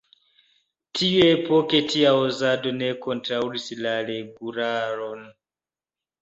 Tiuepoke tia uzado ne kontraŭis la regularon.